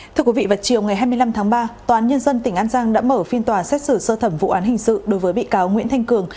thưa quý vị vào chiều ngày hai mươi năm tháng ba tòa án nhân dân tỉnh an giang đã mở phiên tòa xét xử sơ thẩm vụ án hình sự đối với bị cáo nguyễn thanh cường